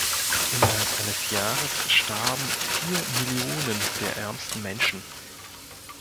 Innerhalb eines Jahres starben vier Millionen der ärmsten Menschen.